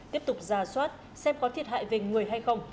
tiếp tục giả soát xem có thiệt hại về người hay không